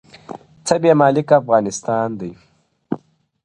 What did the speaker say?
• څه بې مالکه افغانستان دی -